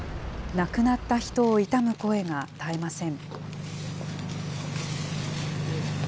亡くなった人を悼む声が絶えません。